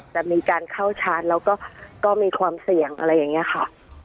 จะมีการเข้าชาร์จแล้วก็มีความเสี่ยงอะไรอย่างนี้ค่ะ